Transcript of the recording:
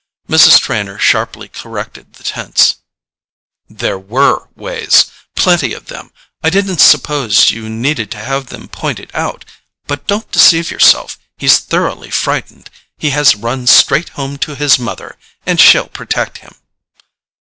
Mrs. Trenor sharply corrected the tense. "There WERE ways—plenty of them! I didn't suppose you needed to have them pointed out. But don't deceive yourself—he's thoroughly frightened. He has run straight home to his mother, and she'll protect him!"